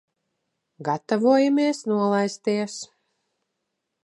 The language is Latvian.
Gatavojamies nolaisties.